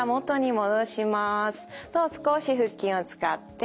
そう少し腹筋を使って。